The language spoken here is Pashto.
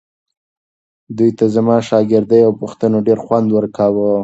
دوی ته زما شاګردۍ او پوښتنو ډېر خوند ورکاوو.